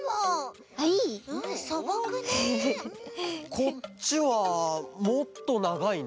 こっちはもっとながいね。